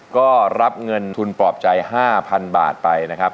ก็รับเงินทุนปลอบใจ๕๐๐๐บาทไปนะครับ